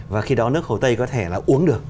và khi đó nước hồ tây có thể là uống được